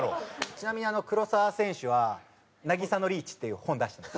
ちなみに黒沢選手は『渚のリーチ！』っていう本出してます。